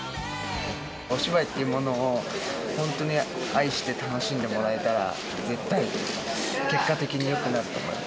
お芝居っていうものを本当に愛して楽しんでもらえたら、絶対結果的によくなると思います。